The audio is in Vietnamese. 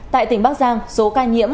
tại tỉnh bắc giang số ca nhiễm